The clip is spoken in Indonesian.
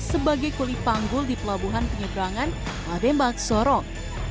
sebagai kulit panggul di pelabuhan penyebrangan madembang sorong